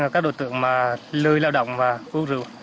các đối tượng lưu lao động và hút rượu